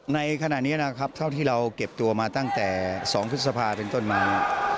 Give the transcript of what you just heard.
ในขณะนี้นะครับเท่าที่เราเก็บตัวมาตั้งแต่๒พฤษภาเป็นต้นมา